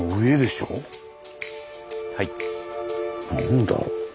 何だろう。